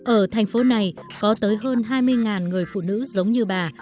ở thành phố này có tới hơn hai mươi người phụ nữ giống như bà